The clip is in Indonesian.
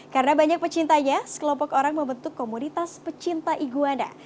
karena banyak pecintanya sekelompok orang membentuk komunitas pecinta iguana